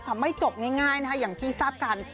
ทำให้จบง่ายนะครับอย่างที่ทราบกัน